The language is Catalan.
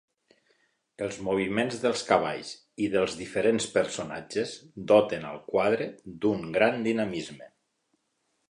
Els moviments dels cavalls i dels diferents personatges doten al quadre d'un gran dinamisme.